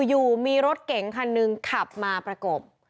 อยู่มีรถเก๋งคันหนึ่งขับมาประกบ